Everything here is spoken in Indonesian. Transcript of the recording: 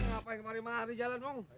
ngapain kemari mari jalan om